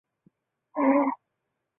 野洲市是滋贺县南部的市。